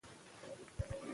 فاعل او مفعول توپیر سره لري.